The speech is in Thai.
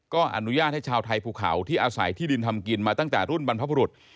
ก็อนุญาตให้ชาวไทยภูเขาที่อาศัยที่ดินทำกินมาตั้งแต่รุ่นบรรพบุรุษ